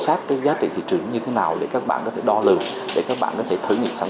sát cái giá trị thị trường như thế nào để các bạn có thể đo lường để các bạn có thể thử nghiệm sản